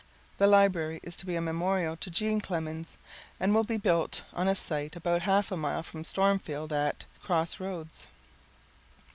The library is to be a memorial to Jean Clemens, and will be built on a site about half a mile from Stormfield at ... Cross Roads.